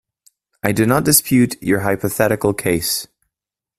I do not dispute your hypothetical case.